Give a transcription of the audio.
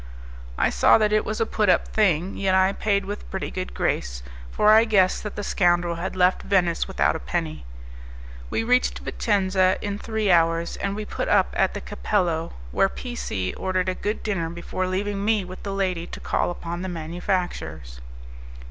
I saw that it was a put up thing, yet I paid with pretty good grace, for I guessed that the scoundrel had left Venice without a penny. We reached Vicenza in three hours, and we put up at the "Cappello," where P C ordered a good dinner before leaving me with the lady to call upon the manufacturers.